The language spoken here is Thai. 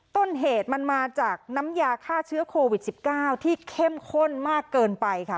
ต้นเหตุมันมาจากน้ำยาฆ่าเชื้อโควิด๑๙ที่เข้มข้นมากเกินไปค่ะ